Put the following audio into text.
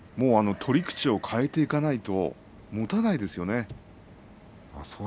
取り口を変えていかないと、もたないですよね。